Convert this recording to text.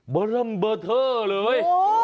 เบรมเบอร์เทอร์เลย